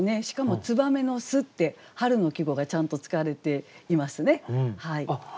しかも「燕の巣」って春の季語がちゃんと使われていますね。